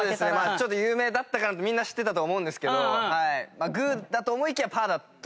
ちょっと有名だったからみんな知ってたと思うんですけどグーだと思いきやパーだという。